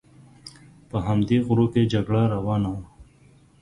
په همدې غرو کې جګړه روانه وه.